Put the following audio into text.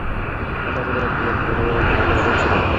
আশাকরি আপানার ভ্রমণ ভালো হয়েছে।